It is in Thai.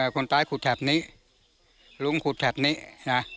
คนตายขุดแถบนี้ลุงขุดแถบนี้นะ